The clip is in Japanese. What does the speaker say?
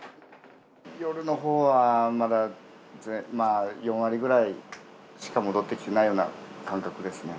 夜のほうはまだ４割ぐらいしか戻ってきてないような感覚ですね。